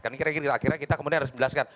akhirnya kita harus jelaskan